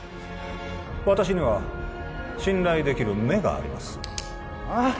私には信頼できる目がありますああ？